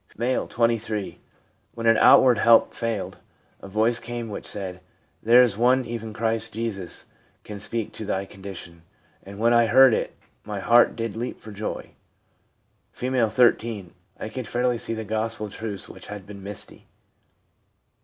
M., 23. 1 When all outward help failed, a voice came which said, " There is one, even Christ Jesus, can speak to thy condition "; and when I heard it, my heart did leap for joy.' R, 13. 'I could fairly see the Gospel truths which had been misty.'